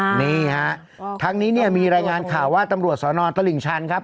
นี่ฮะทั้งนี้เนี่ยมีรายงานข่าวว่าตำรวจสอนอนตลิ่งชันครับ